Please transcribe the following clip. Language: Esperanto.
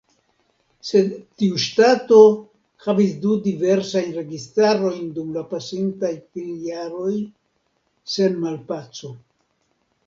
Sed tiu ŝtato havis du diversajn registarojn dum la pasintaj kvin jaroj, sen malpaco.